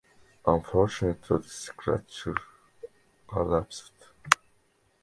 Unfortunately the structure collapsed.